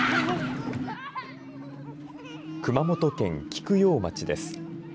熊本県菊陽町です。